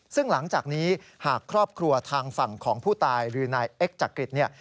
ซึ่งหลังจากนี้หากครอบครัวทางฝั่งของผู้ตายหรือนายเอ็กจักริตเนี่ย